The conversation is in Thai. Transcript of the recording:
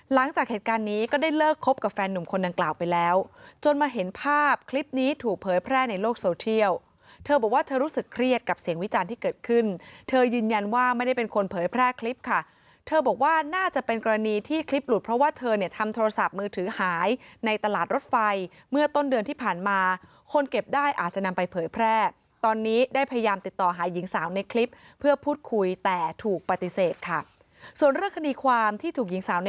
หลังจากเหตุการณ์นี้ก็ได้เลิกคบกับแฟนนุ่มคนดังกล่าวไปแล้วจนมาเห็นภาพคลิปนี้ถูกเผยแพร่ในโลกโซเทียลเธอบอกว่าเธอรู้สึกเครียดกับเสียงวิจารณ์ที่เกิดขึ้นเธอยืนยันว่าไม่ได้เป็นคนเผยแพร่คลิปค่ะเธอบอกว่าน่าจะเป็นกรณีที่คลิปหลุดเพราะว่าเธอเนี่ยทำโทรศัพท์มือถือห